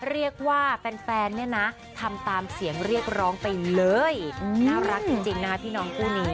เรียกว่าแฟนเนี่ยนะทำตามเสียงเรียกร้องไปเลยน่ารักจริงนะคะพี่น้องคู่นี้